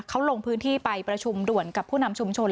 เขาลงพื้นที่ไปประชุมด่วนกับผู้นำชุมชน